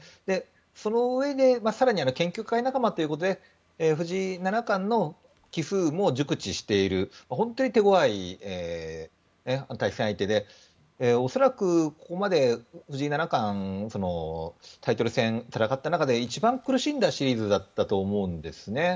そのうえで、更に研究会仲間ということで藤井七冠の棋風も熟知している本当に手ごわい対戦相手で恐らく、ここまで藤井七冠タイトル戦を戦った中で一番苦しんだシリーズだったと思うんですね。